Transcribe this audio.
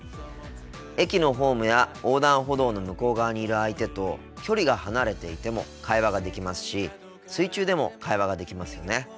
駅のホームや横断歩道の向こう側にいる相手と距離が離れていても会話ができますし水中でも会話ができますよね。